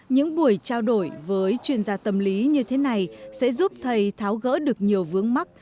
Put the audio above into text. những buổi trao đổi với chuyên gia tâm lý như thế này sẽ giúp thầy tháo gỡ được nhiều vướng mắt